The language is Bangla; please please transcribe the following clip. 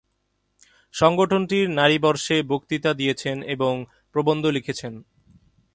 সংগঠনটির নারী বর্ষে বক্তৃতা দিয়েছেন এবং প্রবন্ধ লিখেছেন।